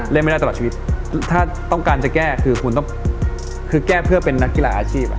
เล่นไม่ได้ตลอดชีวิตถ้าต้องการจะแก้คือแก้เพื่อเป็นนักกีฬาอาชีพ